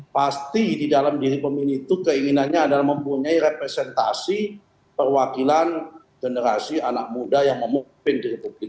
pasti di dalam diri pemilih itu keinginannya adalah mempunyai representasi perwakilan generasi anak muda yang memimpin di republik